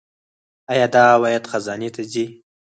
آیا دا عواید خزانې ته ځي؟